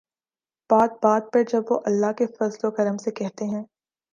بات بات پر جب وہ'اللہ کے فضل و کرم سے‘ کہتے ہیں۔